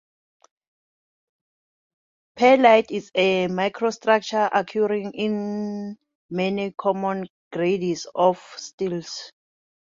Pearlite is a microstructure occurring in many common grades of steels.